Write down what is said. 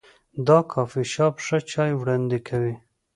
دا کافي شاپ ښه چای وړاندې کوي.